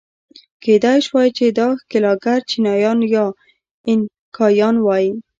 کېدای شوای چې دا ښکېلاکګر چینایان یا اینکایان وای.